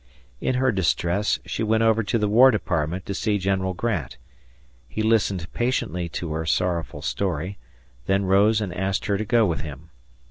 In her distress, she went over to the War Department to see General Grant. He listened patiently to her sorrowful story, then rose and asked her to go with him.